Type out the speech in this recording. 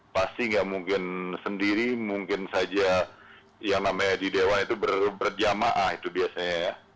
pasti nggak mungkin sendiri mungkin saja yang namanya di dewa itu berjamaah itu biasanya ya